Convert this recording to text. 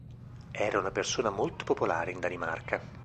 Era una persona molto popolare in Danimarca.